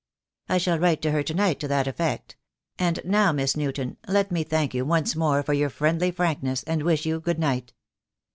"I shall write to her to night to that effect. And now, Miss Newton, let me thank you once more for your friendly frankness, and wish you good night."